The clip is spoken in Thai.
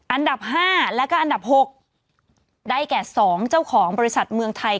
อันดับ๕แล้วก็อันดับ๖ได้แก่๒เจ้าของบริษัทเมืองไทย